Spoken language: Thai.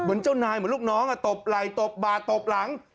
เหมือนเจ้านายเหมือนลูกน้องอ่ะตบลัยตบบานะคะตบหลัง